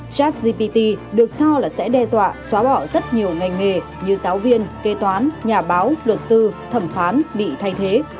chatgpt được cho là sẽ đe dọa xóa bỏ rất nhiều ngành nghề như giáo viên kê toán nhà báo luật sư thẩm phán bị thay thế